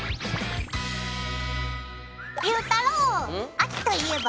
秋といえば？